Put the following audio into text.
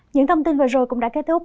những thông tin vừa rồi cũng đã kết thúc